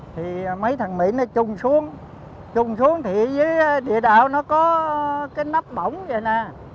thì mấy thằng mỹ nó chung xuống chung xuống thì với địa đạo nó có cái nắp bổng vậy nè